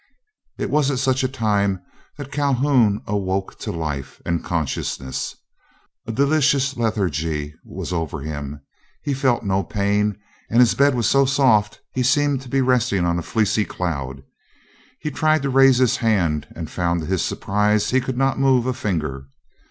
It was at such a time that Calhoun awoke to life and consciousness. A delicious lethargy was over him. He felt no pain, and his bed was so soft, he seemed to be resting on a fleecy cloud. He tried to raise his hand, and found to his surprise he could not move a finger.